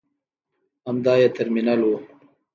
همدا یې ترمینل و.